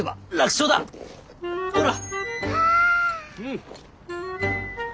ほら！